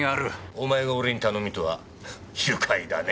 お前が俺に頼みとは愉快だねぇ。